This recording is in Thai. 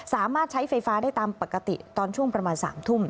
สามารถใช้ไฟฟ้าได้ตามปกติตอนช่วงประมาณ๓ทุ่ม